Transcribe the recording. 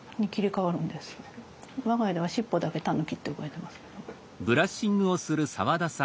我が家では尻尾だけタヌキって呼ばれてます。